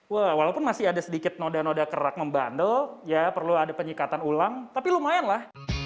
wah walaupun masih ada sedikit noda noda kerak membandel ya perlu ada penyekatan ulang tapi lumayan lah